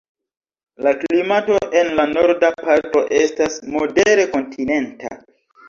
La klimato en la norda parto estas modere kontinenta.